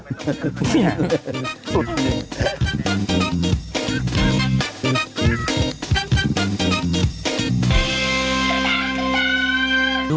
พอบท